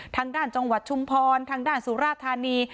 ทางด้านจังหวัดชุมพรทางด้านสุราธานี